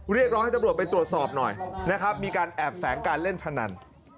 เรียกร้องให้ตำรวจไปตรวจสอบหน่อยนะครับมีการแอบแฝงการเล่นพนัน